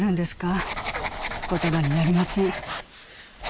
言葉になりません。